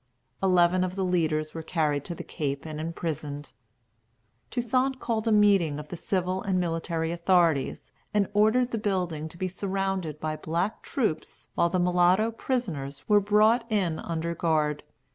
Eleven of the leaders were carried to the Cape and imprisoned. Toussaint called a meeting of the civil and military authorities, and ordered the building to be surrounded by black troops while the mulatto prisoners were brought in under guard.